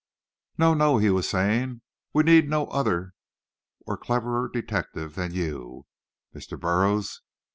"No, no," he was saying, "we need no other or cleverer detective than you, Mr. Burroughs.